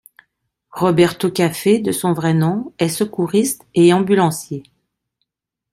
Roberto Caffey, de son vrai nom, est secouriste et ambulancier.